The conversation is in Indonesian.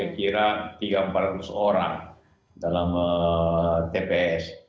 kira kira tiga empat ratus orang dalam tps